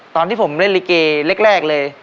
ตอนที่ผมเล่นลิเกแรกเลย